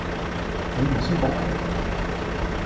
你唔舒服呀？